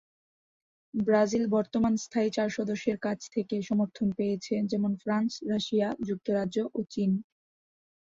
Brazil বর্তমান স্থায়ী চার সদস্যের কাছ থেকে সমর্থন পেয়েছে, যেমন ফ্রান্স, রাশিয়া, যুক্তরাজ্য ও চীন।